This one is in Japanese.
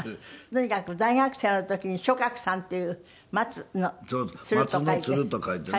とにかく大学生の時に松鶴さんっていう「松」の「鶴」と書いて。